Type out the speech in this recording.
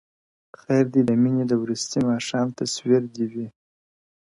o خير دی د ميني د وروستي ماښام تصوير دي وي؛